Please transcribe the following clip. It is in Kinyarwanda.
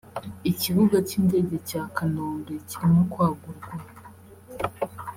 ikibuga cy’ingege cya Kanombe kirimo kwagurwa